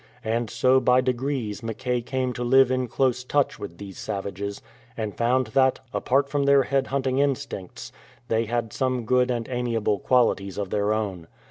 And so by degrees Mackay came to live in close touch with these savages, and found that, apart from their head hunting instincts, they had some good and amiable qualities of their own.